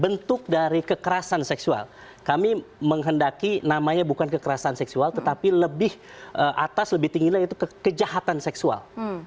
bentuk dari kekerasan seksual kami menghendaki namanya bukan kekerasan seksual tetapi lebih atas lebih tinggi lagi itu kejahatan seksual